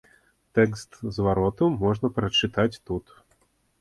Тэкст звароту можна прачытаць тут.